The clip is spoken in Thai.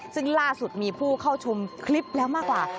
ซึ่งล่าสุดมีผู้เข้าชมคลิปแล้วมากกว่า